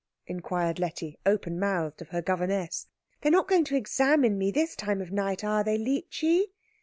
inquired Letty, open mouthed, of her governess. "They're not going to examine me this time of night, are they, Leechy?"